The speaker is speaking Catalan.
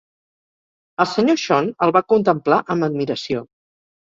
El Sr. Sean el va contemplar amb admiració.